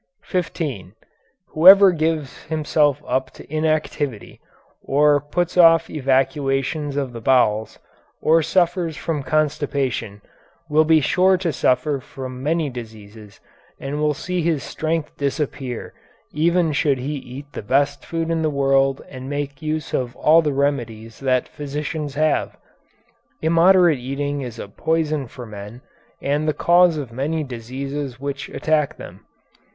15. Whoever gives himself up to inactivity, or puts off evacuations of the bowels, or suffers from constipation, will be sure to suffer from many diseases and will see his strength disappear even should he eat the best food in the world and make use of all the remedies that physicians have. Immoderate eating is a poison for men and the cause of many diseases which attack them.